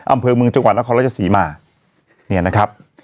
อำเภอเมืองจังหวัดนครราชศรีมาเนี่ยนะครับ